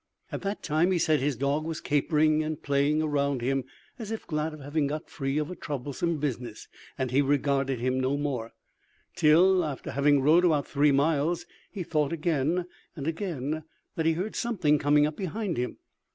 At that time he said his dog was capering and playing around him, as if glad of having got free of a troublesome business; and he regarded him no more, till, after having rode about three miles, he thought again and again that he heard something coming up behind him.